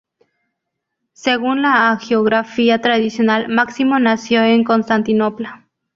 Según la hagiografía tradicional, Máximo nació en Constantinopla.